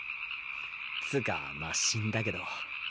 つぅかまあ死んだけど。